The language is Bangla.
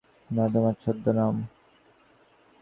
না, তোমার ছদ্মনাম।